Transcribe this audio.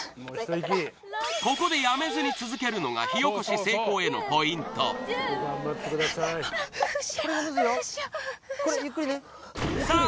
ここでやめずに続けるのが火おこし成功へのポイントさあ